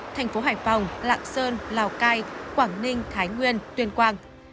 thành phố hải phòng lạng sơn lào cai quảng ninh thái nguyên tuyên quang